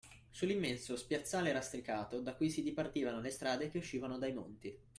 Sull’immenso spiazzale lastricato da cui si dipartivano le strade che uscivano dai Monti.